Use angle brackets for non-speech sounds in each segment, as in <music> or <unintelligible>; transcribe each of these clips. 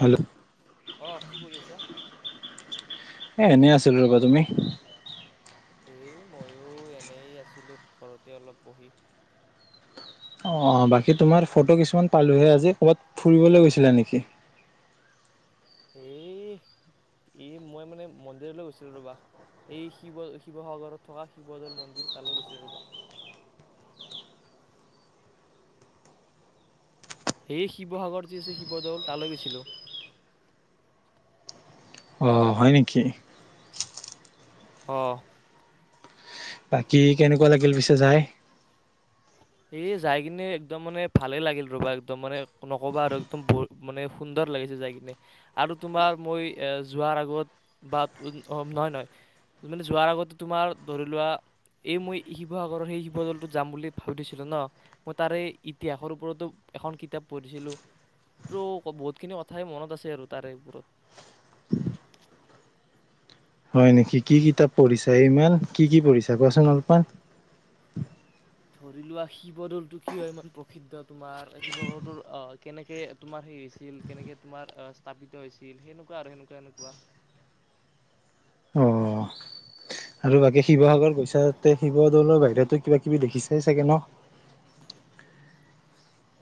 Hello অ', কি কৰি আছা? এ এনেই আছিল ৰ'বা তুমি এ মইো এনে আছিলো ঘৰতে অলপ বহি অ বাকী তোমাৰ ফটো কিছুমান পালোহে আজি কৰ'বাত ফুৰিবলৈ গৈছিলা নেকি এ এই মই মানে মন্দিৰলৈ গৈছিলোঁ ৰবা এই শিৱ শিৱসাগৰত থকা শিৱদৌল মন্দিৰ তালৈ গৈছিলো ৰবা সেয়ে শিৱসাগৰত যি আছে শিৱদৌল তালৈ গৈছিলোঁ অঁ হয় নেকি অঁ বাকী কেনেকুৱা লাগিল পিছে যাই এই যাই কিনে একদম মানে ভালেই লাগিল ৰবা একদম মানে নক'বা আৰু একদম ব মানে সুন্দৰ লাগিছে যাই কিনে আৰু তোমাৰ মই এ যোৱাৰ আগত বা নহয় নহয় মানে যোৱাৰ আগতে তোমাৰ ধৰি লোৱা এই মই শিৱসাগৰৰ সেই শিৱদলটোত যাম বুলি ভাবি দিছিলো ন মই তাৰে ইতিহাসৰ ওপৰতো এখন কিতাপ পঢ়িছিলো ত বহুতখিনি কথাই মনত আছে আৰু তাৰে ওপৰত হয় নেকি কি কিতাপ পঢ়িছা ইমান কি কি পঢ়িছা কোৱাচোন অলপমান ধৰি লোৱা শিৱদৌলটো কি হয় ইমান প্ৰসিদ্ধ তোমাৰ শিৱদৰটো আহ কেনেকে তোমাৰ হেৰি হৈছিল কেনেকে তোমাৰ স্থাপিত হৈছিল সেনেকুৱা আৰু সেনেকুৱা এনেকুৱা অ আৰু বাকী শিৱসাগৰ গৈইচাতে শিৱদৌলৰ বাহিৰত ত কিবা কিবি দেখিছাই চাগে ন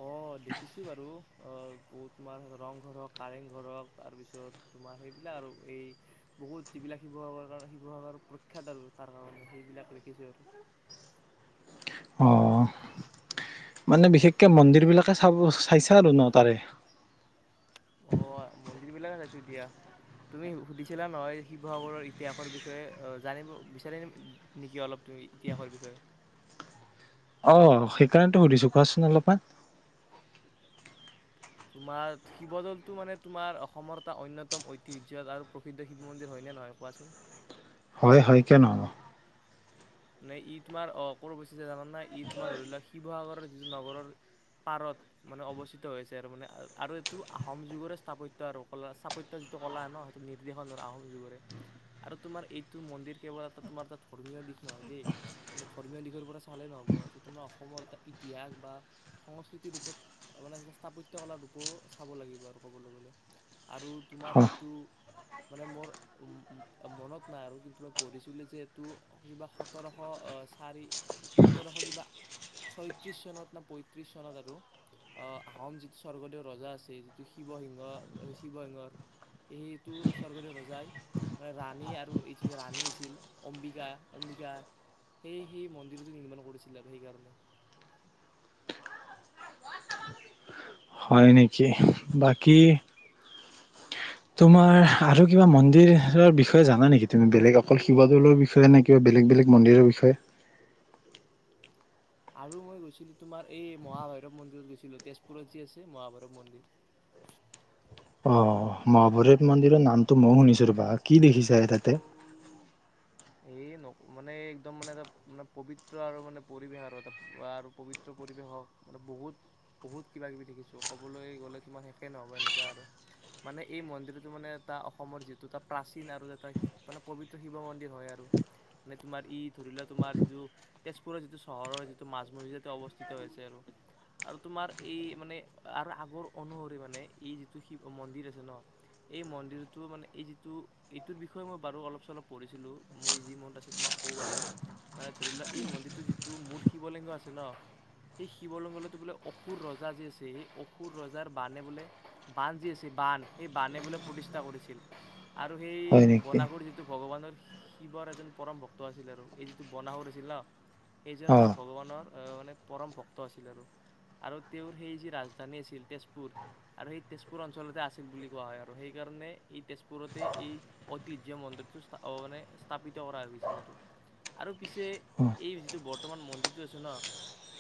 অ দেখিছো বাৰু অ বহু তোমাৰ ৰংঘৰ হওক কাৰেংঘৰ হক তাৰ পিছত তোমাৰ সেইবিলাক আৰু এই বহুত যিবিলাক শিৱসাগৰ কাৰ শিৱসাগৰ প্ৰখ্যাত ত আৰু তাৰ কাৰণে সেইবিলাক দেখিছো আৰু অ মানে বিশেষকে মন্দিৰ বিলাকে চাব চাইছে আৰু ন তাৰে অ মন্দিৰ বিলোক এ সাইছো এতিয়া তুমি সুধিছিলা নহয় শিৱসাগৰৰ ইতিহাসৰ বিষয়ে জানিব বিচাৰি নেকি অলপ তুমি ইতিহাসৰ বিষয়ে অ সেইকাৰণেতো সুধিছো কোৱাচোন অলপমান তোমাৰ শিৱদৌলটো মানে তোমাৰ অসমৰ এটা অন্যতম ঐতিহ্য আৰু প্ৰসিদ্ধ শিৱ মন্দিৰ হয়নে নহয় কোৱাচোন হয় হয় কিয় নহব মানে ই তোমাৰ অ কি যে জান নাই ই তোমাৰ ধৰি লোৱা শিৱসাগৰৰ যিটো নগৰৰ পাৰত মানে অৱস্থিত হৈছে আৰু মানে আৰু এইটো আহোম যুগৰে স্থাপত্য আৰু কলা স্থাপত্য যিটো কলা ন সেইটো নিৰ্দেশন আহোম যুগৰে আৰু তোমাৰ এইটো মন্দিৰ কেৱল এটা তোমাৰ এটা ধৰ্মীয় দিশ নহয় দেই মে ধৰ্মীয় দিশৰ পৰা চালে নহ'ব আৰু তাৰমানাৰ অসমৰ এটা ইতিহাস বা সংস্কৃতি ৰূপত মানে এ স্থাপত্য কাৰ ৰূপও চাব লাগিব আৰু ক'বলৈ গ'লে আৰু তোমাৰ এইটো মানে মোৰ মনত নাই আৰু কিন্তু পঢ়িছিলে যে এইটো কিবা শ সোতৰশ চাৰি সোতৰশ কিবা ছয়ত্ৰিছ চনত না পয়ত্ৰিছ চনত আৰু আহোম যিটো স্বৰ্গদেউৰ ৰজাই আছে যিটো শিৱসিংহৰ শিৱসিংহৰ সেইটো স্বৰ্গদেউৰ ৰজাই মানে ৰাণী আৰু এই যি ৰাণী আছিল অম্বিকা অম্বিকা সেয়েহেই মন্দিৰটো নিৰ্মাণ কৰিছিল আৰু সেইকাৰণে হয় নেকি বাকী তোমাৰ আৰু কিবা মন্দিৰৰ বিষয়ে জানা নেকি তুমি বেলেগ অকল শিৱদৌলৰ বিষয়ে নে কিবা বেলেগ বেলেগ মন্দিৰৰ বিষয়ে আৰু মই গৈছিলো তোমাৰ এই মহাভৈৰৱ মন্দিৰত গৈছিলো তেজপুৰত যি আছে মহাভৈৰৱ মন্দিৰ মহভৈৰৱ মন্দিৰৰ নামটো ময় শুনিছো ৰবা কি দেখিছা তাতে এই মানে এই একদম মানে এটা মানে পবিত্ৰ আৰু মানে পৰিৱেশ আৰু এটা আৰু পবিত্ৰ পৰিৱেশ হওক মানে বহুত বহুত কিবা কিবি দেখিছো কবলৈ গলে তোমাৰ শেষে নহব এনেকুৱা আৰু মানে এই মন্দিৰতটো মানে এটা অসমৰ যিটো এটা প্ৰাচীন আৰু এটা মানে পবিত্ৰ শিৱ মন্দিৰ তোমাৰ ই ধৰি লোৱা তোমাৰ যিটো তেজপুৰৰ যিটো চহৰৰ যিটো মাজমজিা অৱস্থিত হৈছে আৰু আৰু তোমাৰ এই মানে আৰু আগৰ অনুসৰি মানে এই যিটোি মন্দিৰ আছে ন এই মন্দিৰতটো মানে এই যিটো এইটোৰ বিষয়ে মই বাৰু অলপ চলপ পঢ়িছো মই যি ম তো মাক কওঁ বাৰু মানে ধৰি লোৱা এই মন্দিৰটোৰ যিটো মূল শিৱলিংগ আছে ন সেই শিৱলিংগলৈতো বোলে অসুৰ ৰজা যি আছে সেই অসুৰ ৰজাৰ বানে বোলে বান যি আছে বান সেই বানে বোলে প্ৰতিষ্ঠা কৰিছিল আৰু সেই হয় নেকি বনাাগৰি যিটো ভগৱানৰ শিৱৰ এজন পৰম ভক্ত আছিল আৰু এই যিটো বনাহৰ আছিল ন সেইজন অ এজন ভগৱানৰ মানে পৰম ভক্ত আছিল আৰু আৰু তেওঁৰ সেই যি ৰাজধানী আছিল তেজপুৰ আৰু সেই তেজপুৰ অঞ্চলতে আছিল বুলি কোৱা হয় আৰু সেইকাৰণে এই তেজপুৰতে এই ঐতিহ্যত মন্দিৰটো অ মানে স্থাপিত কৰা হৈছিল আৰু আৰু পিছে অ এই যিটো বৰ্তমান মন্দিৰটো আছে ন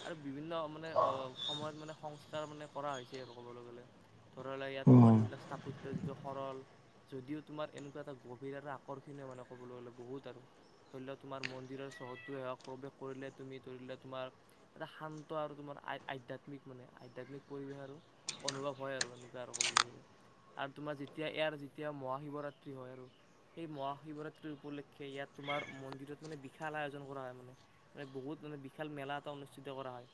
আৰু বিভিন্ন মানে সময়ত মানে সংস্কাৰ মানে কৰা হৈছে আৰু ক'বলৈ গ'লে ধৰি ললেক ইয়াত অ তোমাৰ যিবিলাক স্থাপত্য যিটো সৰল যদিও তোমাৰ এনেকুৱা এটা গভীৰ আৰু আকৰ্ষ সখিনে মানে ক'বলৈ গ'লে বহুত আৰু ধৰি লোৱাক তোমাৰ মন্দিৰৰ চহৰতটোেক প্ৰৱেশ কৰিলে তুমি ধৰি লোৱা তোমাৰ এটা শান্ত আৰু তোমাৰ আধ্যাত্মিক মানে আধ্যাত্মিক পৰিৱেশ আৰু অনুভৱ হয় আৰু এনেকুৱা আৰু ক'বলৈ গ'লে আৰু তোমাৰ যেতিয়া ইয়াৰ যেতিয়া মহা শিৱৰাত্ৰি হয় আৰু সেই মহা শিৱৰাত্ৰি উপলক্ষে ইয়াত তোমাৰ মন্দিৰত মানে বিশাল আয়োজন কৰা হয় মানে মানে বহুত মানে বিশাল মেলা এটা অনুষ্ঠিত কৰা হয়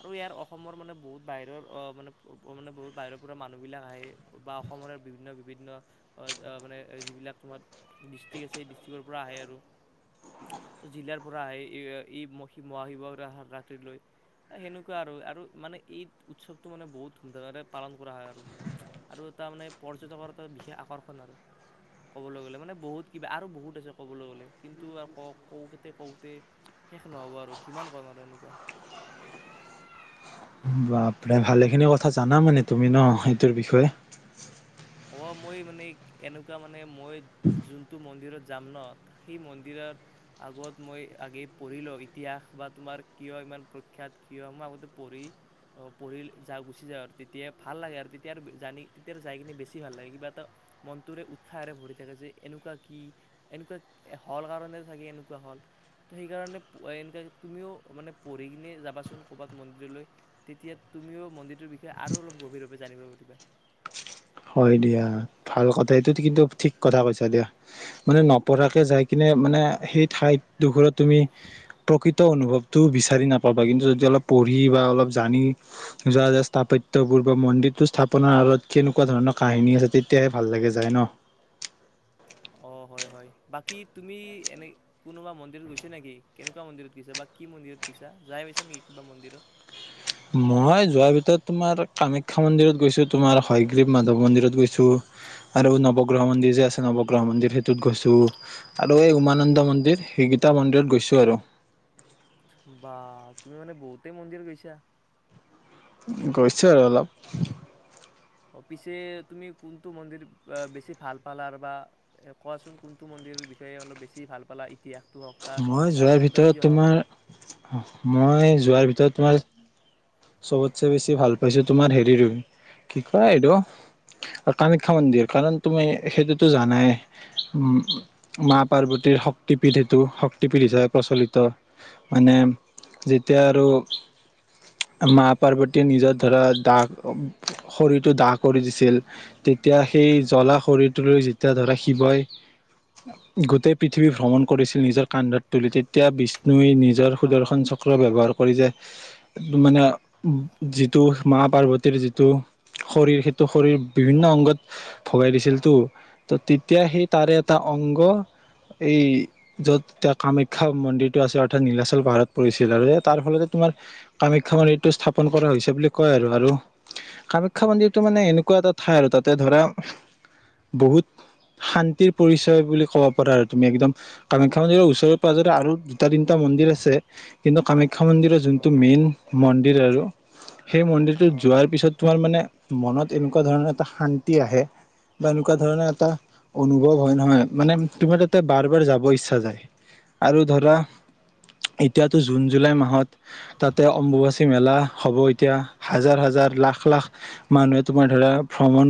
আৰু ইয়াৰ অসমৰ মানে বহুত বাহিৰৰ মানে মানে বহুত বাহিৰৰ পৰা মানুহবিলাক আহে বা অসমৰয় বিভিন্ন বিভিন্ন মানে যিবিলাক তোমাৰ ডিষ্ট্ৰিক্ আছে এই ডিষ্ট্ৰিক্ৰ পৰা আহে আৰু ত জিলাৰ পৰা আহে এই এইি মহা শিৱ ৰাতি্ৰ লৈ সেনেকুৱা আৰু আৰু মানে এই উৎসৱটো মানে বহুত ধুমধামেৰে পালন কৰা হয় আৰু আৰু এটা মানে পৰ্যটকৰ এটা বিশেষ আকৰ্ষণ আৰু ক'বলৈ গ'লে মানে বহুত কিবা আৰু বহুত আছে ক'বলৈ গলে কিন্তু আৰু ক কতে কওঁতে শেষ নহব আৰু কিমান কম আৰু এনেকুৱা আপে ভালে খিনি কথা জানা মানে তুমি ন সেই সেইতো বিষয়ে অ মই মানে এনেকুৱা মানে মই যোনটো মন্দিৰত যাম ন সেই মন্দিৰৰ আগত মই আগে পঢ়ি লওঁ ইতিহাস বা তোমাৰ কিয় ইমান প্ৰখ্যাত কিয় মই আগতে পঢ়ি আহ পঢ়ি যা গুচি যা আৰু তেতিয়া ভাল লাগে আৰু তেতি জানি তেতিয় যাই কিনি বেছি ভাল লে কিবা এটা মনটোৰে উৎসাহেৰে ভৰি থাকে যে এনেকুৱা কি এনেকুৱা হল কাৰণে থাগে এনেকুৱা হল ত সেইকাৰণে এুৱ তুমিও মানে পঢ়ি কিনে যাবাচোন ক'বাত মন্দিৰলৈ তেতিয়া তুমিও মন্দিৰটোৰ বিষয়ে আৰু অলপ গভীৰভাৱে জানিব পাৰিবা হয় দিয়া ভাল কথা এইটোত কিন্তু ঠিক কথা কৈছা দিয়া মানে নপঢ়াকে যাই কিনে মানে সেই ঠাইডোখৰত তুমি প্ৰকৃত অনুভৱটো বিচাৰি নাপাবা কিন্তু যদি অলপ পঢ়ি বা অলপ জানি যোৱা যায় স্থাপত্য়বোৰ বা মন্দিৰটোো স্থাপন আঁৰত কিনো এনেকুৱা ধৰণৰ কাহিনী আছে তেতিয়াহে ভাল লাগে যায় ন অ হয় হয় বাকী তুমি এনে কোনোবা মন্দিৰত গৈছা নেকি কেনেকুৱা মন্দিৰত গৈছা বা কি মন্দিৰত গৈছা যাই পাইছা নেকি কিবা মন্দিৰত মই যোৱাৰ ভিতৰত তোমাৰ কামাখ্যা মন্দিৰত গৈছো তোমাৰ হয়গ্ৰীৱ মাধৱ মন্দিৰত গৈছো আৰু নৱগ্ৰহ মন্দিৰ যে আছে নৱগ্ৰহ মন্দিৰ সেইটোত গৈছোঁ আৰু এই উমানন্দ মন্দিৰ সেই গীতা মন্দিৰত গৈছোঁ আৰু বা তুমি মানে বহুতেই মন্দিৰ গৈছা গৈছো আৰু অলপ অ পিছে তুমি কোনটো মন্দিৰ বেছি ভাল পালা বা কোৱাচোন কোনটো মন্দিৰ বিষয়ে অলপ বেছি ভাল পালা ইতিহাস মই যোৱাৰ ভিতৰত তোমাৰ মই যোৱাৰ ভিতৰত তোমাৰ চবতচে বেছি ভাল পাইছো তোমাৰ হেৰিো কি কয় এইটো কামাখ্যা মন্দিৰ কাৰণ তুমি সেইটোতো জানাই উ মা পাৰ্বতীৰ শক্তিপীঠ সেইটো শক্তিপীঠ হিচাপে প্ৰচলিত মানে যেতিয়া আৰু মা পাৰ্বতীয়ে নিজৰ ধৰা দা শৰীৰটো দাহ কৰি দিছিল তেতিয়া সেই জ্বলা শৰীৰটোলৈ যেতিয়া ধৰা শিৱই গোটেই পৃথিৱী ভ্ৰমণ কৰিছিল নিজৰ কান্ধত তুলি তেতিয়া বিষ্ণুৱে যৰ অঁ সুদৰ্শন চক্ৰ ব্যৱহাৰ কৰে কৰি যায় মানে যিটো মা পাৰ্বতীৰ যিটো শৰীৰ সেইটো শৰীৰ বিভিন্ন অংগত ভগাই দিছিল তো ত তেতিয়া সেই তাৰে এটা অংগ এই যত এতিয়া কামাখ্যা মন্দিৰটো আছিল অৰ্থাৎ নীলাচল পাহাৰত পৰিছিল আৰু তাৰ ফলতে তোমাৰ কামাখ্যা মন্দিৰটো স্থাপন কৰা হৈছে বুলি কয় আৰু আৰু কামাখ্যা মন্দিৰটো মানে এনেকুৱা এটা ঠাই আৰু তাতে ধৰা বহুত শান্তিৰ পৰিচয় বুলি কব পাৰা আৰু তুমি একদম কামাখ্যা মন্দিৰৰ ওচৰে পাঁজৰে আৰু দুটা তিনিটা মন্দিৰ আছে কিন্তু কামাখ্যা শিক্ষা মন্দিৰৰ যোনটো অঁ মেইন মন্দিৰ আৰু সেই মন্দিৰটোত অঁ অঁ যোৱাৰ পিছত তোমাৰ মানে মনত এনেকুৱা ধৰণৰ এটা শান্তি আহে বা এনেকুৱা ধৰণৰ এটা অনুভৱ হয় নহয় মানে তুমাৰ তাতে বাৰ বাৰ যাব ইচ্ছা যায় আৰু ধৰা এতিয়াতো জুন জুলাই মাহত তাত এতি অম্বুবাচী মেলা হ'ব এতিয়া হাজাৰ হাজাৰ লাখ লাখ মানুহে তোমাৰ ধৰা ভ্ৰমণ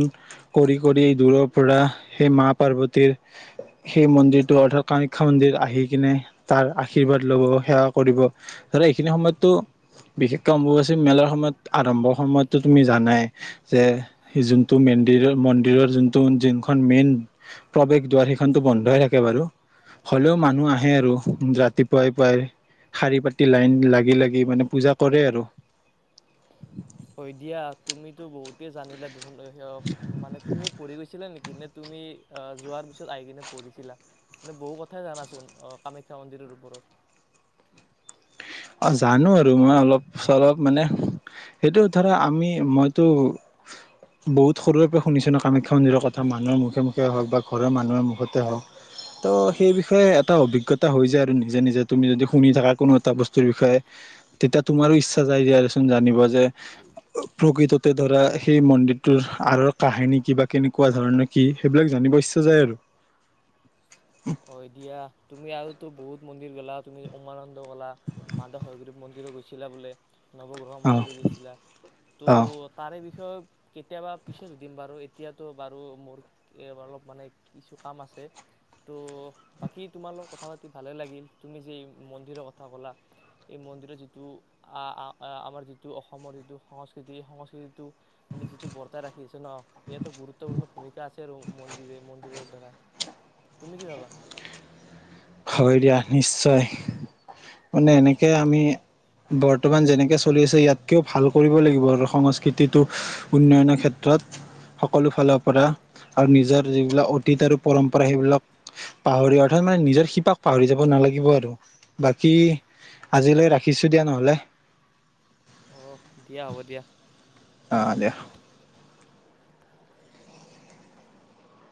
কৰি কৰি দূৰৰ পৰা সেই মা পাৰ্বতীৰ সেই মন্দিৰটো অৰ্থাৎ কামাখ্যা মন্দিৰ আহি কিনে তাৰ আশীৰ্বাদ ল'ব সেৱা কৰিব ধৰা এইখিনি সময়ততো বিশেষকে অম্বুবাচী মেলাৰ সময়ত আৰম্ভৰ সময়তো তুমি জানাই যে যোনটো মন্দিৰৰ মন্দিৰৰ যোনটো যোনখন মেইন প্ৰৱেশ দাৰ সেইখনতো বন্ধই থাকে বাৰু হ'লেও মানুহ আহে আৰু ৰাতিপুৱাই পুৱাই শাৰী পাতি লাইন লাগি লাগি মানে পূজা কৰে আৰু হয়ৈ দিয়া তুমিতো বহুতেই জানিলা দু মানে তুমিও পঢ়ি গৈছিলা নেকি নে তুমি আহ যোৱাৰ পিছত আহি কিনে পঢ়িছিলা মে বহু কথাই জানাচোন আহ কামাখ্যা মন্দিৰৰ ওপৰত অ জানো আৰু মই অলপ চলপ মানে সেইটো ধৰা আমি মইতো বহুত সৰুৰে পৰা শুনিছো ন কামাখ্যা নিিৰৰ কথা মানুহৰ মুখে মুখে হওক বা ঘৰৰ মানুহৰ মুখতে হওক ত' সেই বিষয়ে এটা অভিজ্ঞতা হৈ যায় আৰু নিজে নিজে তুমি যদি শুনি থাকা কোনো এটা বস্তু বিষয়ে তেতিয়া তোমাৰো ইচ্ছা যায় যে আৰুচোন জানিব যে প্ৰকৃততে ধৰা সেই মন্দিৰটোৰ আৰ কাহিনী কি বা কেনেকুৱা ধৰণৰ কি সেইবিলাক জানিব ইচ্ছা যায় আৰু অ দিয়া তুমি আৰু তো বহুত মন্দিৰ গলা তুমি উমমানন্দ গলা মাধৱ হয়গীৱ মন্দিৰ গৈছিল চিলা বলে নৱগ্ৰহ অ মন্দিৰ গৈছিলা তো অ তাৰে বিষয়ে কেতিয়াবা পিছত সুধিম বাৰু এতিয়াতো বাৰু মোৰ অলপ মানে কিছু কাম আছে ত' বাকী তোমাৰ লগত কথা পাতি ভালেই লাগিল তুমি যে এই মন্দিৰৰ কথা ক'লা এই মন্দিৰৰ যিটো আমাৰ যিটো অসমৰ যিটো সংস্কৃতি এই সংস্কৃতিটো মানে যিটো বৰ্তাই ৰাখি আছে ন ইয়াটো গুৰুত্বপূৰ্ণ ভূমিকা আছে আৰু মন্দিৰ মন্দিৰৰ <unintelligible> তুমি কি ভাবা হয় দিয়া নিশ্চয় মানে এনেকে আমি বৰ্তমান যেনেকে চলি আছো ইয়াতকেও ভাল কৰিব লাগিব আৰু সংস্কৃতিটো উন্নয়নৰ ক্ষেত্ৰত সকলো ফালৰ পৰা আৰু নিজৰ যিবিলাক অতীত আৰু পৰম্পৰা সেইবিলাক পাহৰি অৰ্থাৎ মানে নিজৰ শিপাক পাহৰি যাব নালাগিব আৰু বাকী আজিলৈ ৰাখিছো দিয়া নহ'লে অ দিয়া হ'ব দিয়া অ দিয়া